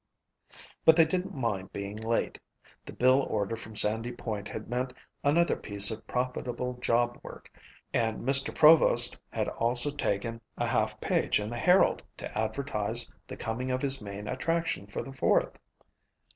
But they didn't mind being late. The bill order from Sandy Point had meant another piece of profitable job work and Mr. Provost had also taken a half page in the Herald to advertise the coming of his main attraction for the Fourth.